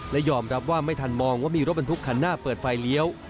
และยอมรับว่าไม่ทันมองว่ามีรถบรรทุกคันหน้าเปิดไฟเลี้ยว